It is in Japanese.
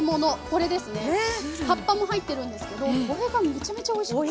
葉っぱも入ってるんですけどこれがめちゃめちゃおいしくて。